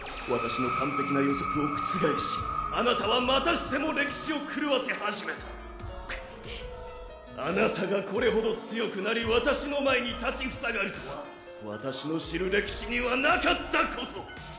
私の完璧な予測を覆しあなたはまたしても歴史を狂わせ始めた。あなたがこれほど強くなり私の前に立ちふさがるとは私の知る歴史にはなかったこと！